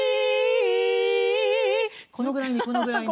このぐらいにこのぐらいで。